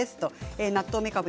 納豆めかぶ